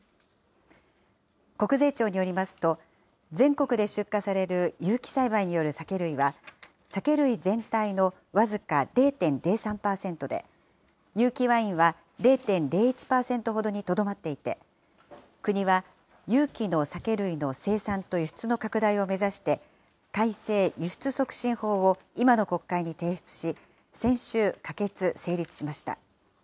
国税庁によりますと、全国で出荷される有機栽培による酒類は、酒類全体の僅か０．０３％で、有機ワインは０．０１％ほどにとどまっていて、国は有機の酒類の生産と輸出の拡大を目指して、改正輸出促進法を今の国会に提出し、先週、可決・成立しました。